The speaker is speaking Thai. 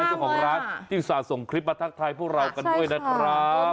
เจ้าของร้านที่อุตส่าห์ส่งคลิปมาทักทายพวกเรากันด้วยนะครับ